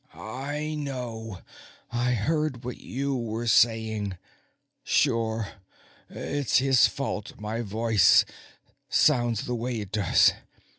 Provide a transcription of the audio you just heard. "I know. I heard what you were saying. Sure it's his fault my voice sounds the way it does.